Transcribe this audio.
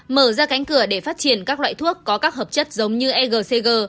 mở ra cánh cửa để phát triển các loại thuốc có các hợp chất giống như egcg